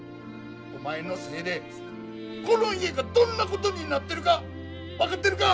お前のせいでこの家がどんなことになってるか分かってるか！